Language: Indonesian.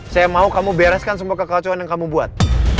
saya mau kamu bereskan semua kekacauan yang kamu buat